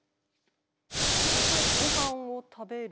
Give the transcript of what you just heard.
人とごはんを食べる。